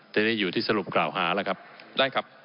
แต่นี่อยู่ที่สรุปกล่าวหาแล้วครับได้ครับ